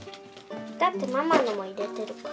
だってママのも入れてるから。